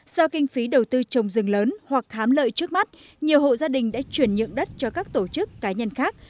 do kinh phí đầu tư trồng rừng lớn hoặc hám lợi trước mắt nhiều hộ gia đình đã chuyển nhượng đất cho các tổ chức cá nhân khác